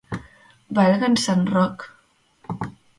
Valga'ns sant Roc!